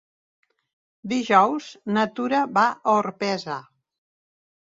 Dijous na Tura va a Orpesa.